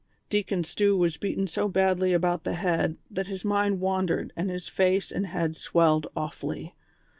Deacon Stew was beaten so badly about the head that his mind wandered and his face and head swelled awfully.